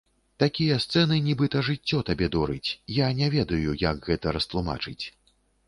Такія сцэны нібыта жыццё табе дорыць, я не ведаю, як гэта растлумачыць.